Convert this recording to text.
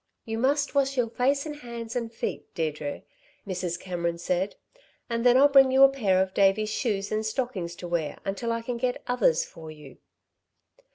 "You must wash your face and hands, and feet, Deirdre," Mrs. Cameron said, "and then I'll bring you a pair of Davey's shoes and stockings to wear until I can get others for you."